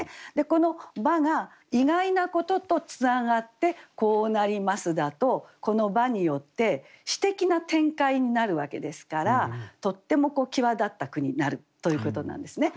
この「ば」が意外なこととつながってこうなりますだとこの「ば」によって詩的な展開になるわけですからとっても際立った句になるということなんですね。